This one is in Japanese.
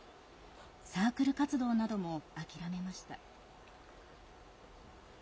サークル活動なども諦めました。